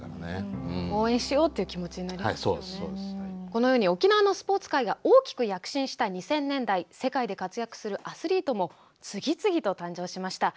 このように沖縄のスポーツ界が大きく躍進した２０００年代世界で活躍するアスリートも次々と誕生しました。